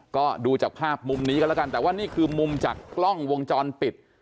ก็ดูจากภาพมุมนี้กันแล้วกันแต่ว่านี่คือมุมจากกล้องวงจรปิด